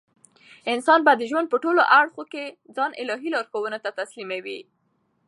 انسان به د ژوند په ټولو اړخو کښي ځان الهي لارښوونو ته تسلیموي.